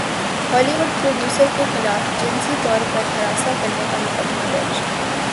Holi would producer کےخلاف جنسی طور پر ہراساں کرنے کا مقدمہ درج